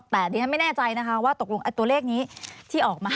แต่ดิฉันไม่แน่ใจนะคะว่าตกลงตัวเลขนี้ที่ออกมา